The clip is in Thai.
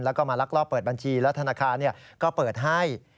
แล้วก็มาลักลอบเปิดบัญชีแล้วธนาคารก็เปิดให้